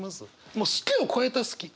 もう「好き」をこえた「好き」。